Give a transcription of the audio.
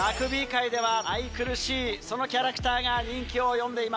界では愛くるしいそのキャラクターが人気を呼んでいます。